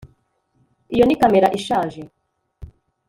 iyo ni kamera ishaje